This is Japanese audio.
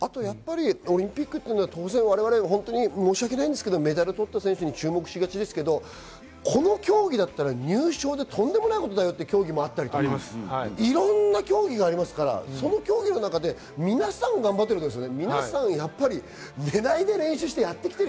オリンピックは申し訳ないんですが、メダルを取った選手に注目しがちですけど、この競技だったら、入賞でとんでもないよという競技もあったりとか、いろいろな競技がありますから、その競技の中で皆さん頑張ってるんですよね。